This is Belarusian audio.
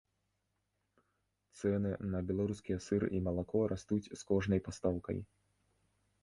Цэны на беларускія сыр і малако растуць з кожнай пастаўкай.